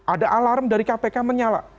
ada alarm dari kpk menyala